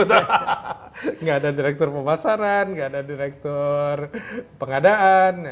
gak ada direktur pemasaran gak ada direktur pengadaan